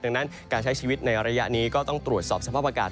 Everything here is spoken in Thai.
ดังนั้นการใช้ชีวิตในระยะนี้ก็ต้องตรวจสอบสภาพอากาศ